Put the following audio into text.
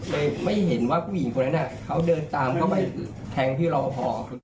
ไม่เห็นว่าผู้หญิงคนนั้นเขาเดินตามเข้าไปแทงพี่รอปภ